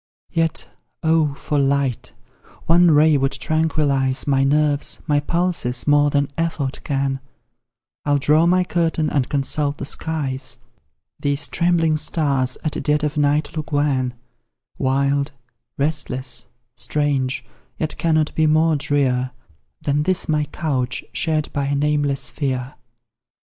Yet, oh, for light! one ray would tranquillize My nerves, my pulses, more than effort can; I'll draw my curtain and consult the skies: These trembling stars at dead of night look wan, Wild, restless, strange, yet cannot be more drear Than this my couch, shared by a nameless fear.